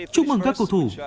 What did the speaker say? chúc mừng các cầu thủ